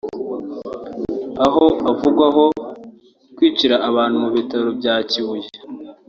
aho avugwaho kwicira abantu mu bitaro bya Kibuye